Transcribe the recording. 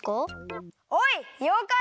おいようかい！